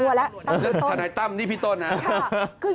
ก็ตอบได้คำเดียวนะครับ